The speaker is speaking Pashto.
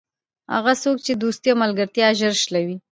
هغه څوک چې دوستي او ملګرتیا ژر شلوي.